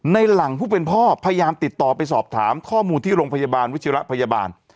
ในหลังผู้เป็นพ่อพยายามติดต่อไปสอบถามข้อมูลที่โรงพยาบาลวชิระพยาบาล